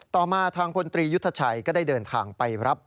ต่อมาทางพลตรียุทธชัยก็ได้เดินทางไปรับ